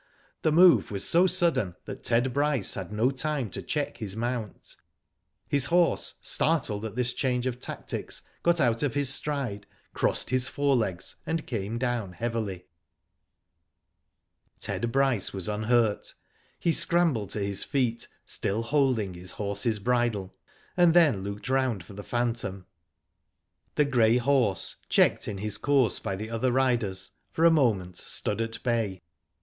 The move was so sudden, that Ted Bryce had no time to check his mount. His horse, startled at this change q[ tactics, got out o{ Digitized byGoogk A RATTLING GALLOP. 109 his stride, crossed his forelegs, and came down heavily. Ted Bryce was unhurt. He scrambled to his feet, still holding his horse's bridle, and then looked round for the phantom. The grey horse, checked in his course by the other riders, for a moment stood at bay.